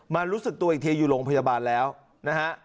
รู้สึกตัวอีกทีอยู่โรงพยาบาลแล้วนะฮะ